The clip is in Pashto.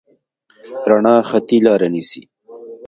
رڼا خطي لاره نیسي.